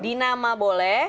di nama boleh